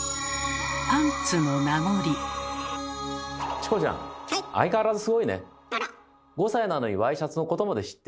チコちゃん相変わらずすごいね！